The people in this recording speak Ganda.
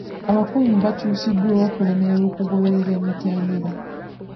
Abakungu baakyusiddwa olw'okulemererwa okugoberera emitendera.